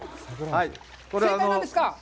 正解は何ですか？